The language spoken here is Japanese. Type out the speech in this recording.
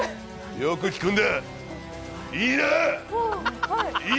よく聞くんだ。